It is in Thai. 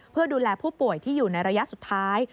เพื่อดูแลผู้ป่วยที่อยู่ในระยะสุดท้าย